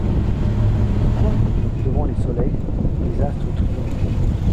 Quoi ! devant les soleils, les astres triomphaux